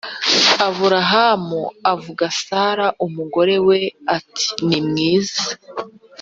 aburahamu avuga sara umugore we ati nimwiza